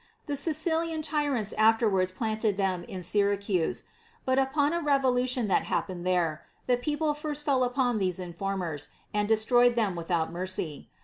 The Sicilian tyrants afterwards planted them in Syr acuse ; but upon a revolution that happened there, the peo ple first fell upon these informers, and destroyed them without mercy.